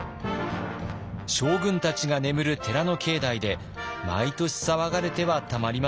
将軍たちが眠る寺の境内で毎年騒がれてはたまりません。